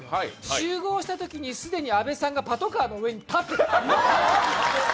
集合したときにすでに阿部さんがパトカーの上に立ってた。